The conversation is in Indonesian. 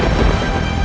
aku akan menang